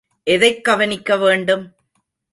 எதைக் கவனிக்க வேண்டும்?